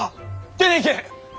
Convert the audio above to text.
出ていけ！